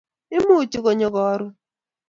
imuchi konyo karon